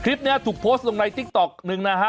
คลิปนี้ถูกโพสต์ลงในติ๊กต๊อกหนึ่งนะฮะ